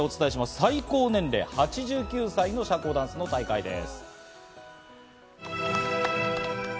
最高年齢８９歳の社交ダンスの大会です。